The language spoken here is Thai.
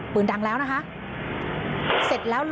ดังแล้วนะคะเสร็จแล้ว